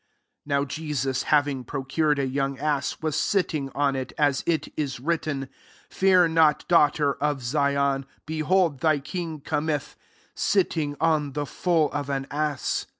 14 Now Jesus having procured a young ass, was sitting on it ; as it is written, 15 " Fear not, daughter of Zion : behold, thy king cometh, sitting on the foal of an ass."